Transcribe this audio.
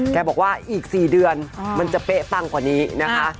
แกบอกว่าอีก๔เดือนมันจะเป๊ะปังกว่านี้นะคะ